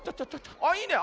あいいね。